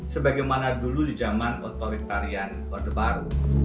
sebagaimana dulu di zaman otoritarian orde baru